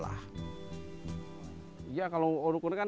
sehingga dia bisa berjalan dengan semangat